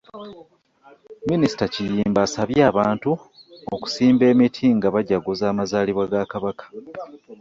Minisita Kiyimba asabye abantu okusimba emiti nga bajaguza amazaalibwa ga Kabaka